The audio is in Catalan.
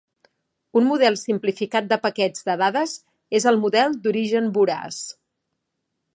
Un model simplificat de paquets de dades és el model d'origen voraç.